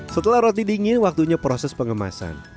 setelah roti dingin waktunya proses pengemasan